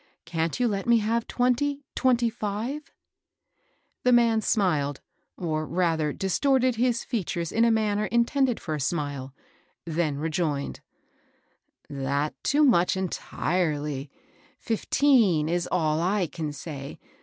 Can't you let me have twenty, — twenty five ?" The man smiled, or rather distorted his features in a manner intended for a smile, then rejoined, —" Dattoo much, entirely ; fifteen is all I can say.